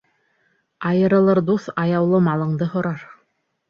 Айырылыр дуҫ аяулы малыңды һорар.